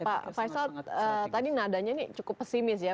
pak faisal tadi nadanya ini cukup pesimis ya